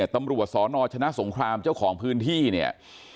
ตำรวจสนชนะสงครามเจ้าของพื้นที่เนี่ย